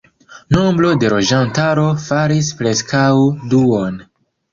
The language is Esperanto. Nombro de loĝantaro falis preskaŭ duone.